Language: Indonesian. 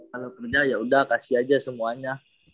kalau kerja yaudah kasih aja semuanya